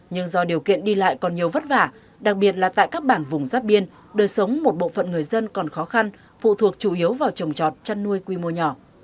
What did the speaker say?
nhưng do điều kiện đi lại còn nhiều vất vả đặc biệt là tại các bản vùng giáp biên đời sống một bộ phận người dân còn khó khăn phụ thuộc chủ yếu vào trồng trọt chăn nuôi quy mô nhỏ